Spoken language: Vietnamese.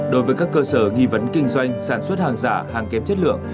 đối với các cơ sở nghi vấn kinh doanh sản xuất hàng giả hàng kém chất lượng